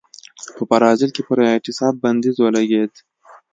په برازیل کې پر اعتصاب بندیز ولګېد.